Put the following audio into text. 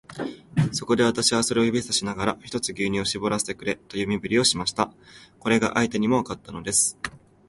そこで、私はそれを指さしながら、ひとつ牛乳をしぼらせてくれという身振りをしました。これが相手にもわかったのです。